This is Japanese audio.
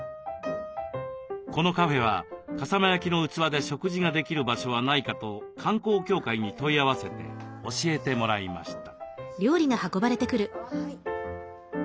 このカフェは笠間焼の器で食事ができる場所はないかと観光協会に問い合わせて教えてもらいました。